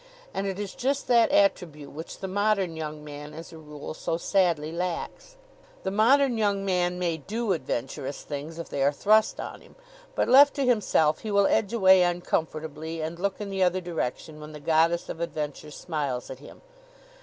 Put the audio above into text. And it is just that attribute which the modern young man, as a rule, so sadly lacks. The modern young man may do adventurous things if they are thrust on him; but left to himself he will edge away uncomfortably and look in the other direction when the goddess of adventure smiles at him.